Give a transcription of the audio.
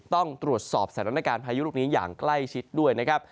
ต้องตรวจสอบสถานการณ์พายุลูกนี้อย่างใกล้ชิดด้วยนะครับ